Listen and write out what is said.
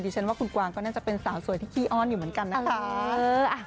ฉันว่าคุณกวางก็น่าจะเป็นสาวสวยที่ขี้อ้อนอยู่เหมือนกันนะคะ